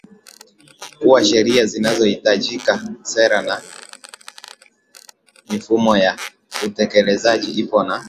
kuwa sheria zinazohitajika sera na mifumo ya utekelezaji ipo na